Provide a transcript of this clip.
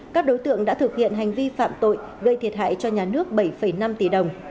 các đối tượng đã thực hiện hành vi phạm tội gây thiệt hại cho nhà nước bảy năm tỷ đồng